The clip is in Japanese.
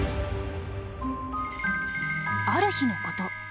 ある日のこと。